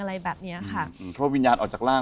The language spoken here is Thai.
อะไรแบบเนี้ยค่ะอืมเพราะวิญญาณออกจากร่าง